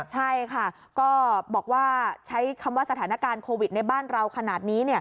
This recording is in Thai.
ใช่ค่ะก็บอกว่าใช้คำว่าสถานการณ์โควิดในบ้านเราขนาดนี้